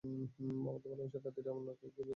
আমাদের ভালবাসার খাতিরে, আমরা অন্য কাউকে বিয়ে করবো।